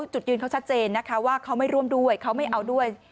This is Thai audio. จุดยืนเขาชัดเจนนะคะว่าเขาไม่ร่วมด้วยเขาไม่เอาด้วย